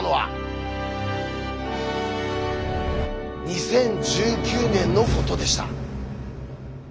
２０１９年のことでした。